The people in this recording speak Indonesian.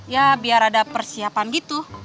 ya biar ada persiapan gitu